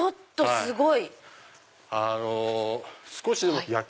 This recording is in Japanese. すごい！